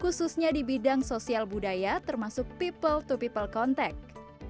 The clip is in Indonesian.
khususnya di bidang sosial budaya termasuk people to people contact